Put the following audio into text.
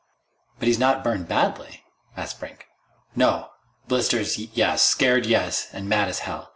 "But he's not burned badly?" asked Brink. "No. Blisters, yes. Scared, yes. And mad as hell.